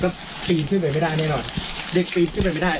ก็ปีนขึ้นไปไม่ได้แน่นอนเด็กปีนขึ้นไปไม่ได้